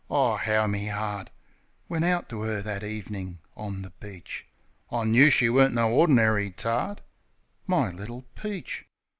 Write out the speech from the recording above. Oh, 'ow me 'eart Went out to 'er that ev'nin' on the beach. I knoo she weren't no ordinary tart, My little peach!